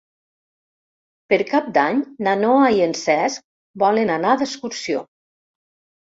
Per Cap d'Any na Noa i en Cesc volen anar d'excursió.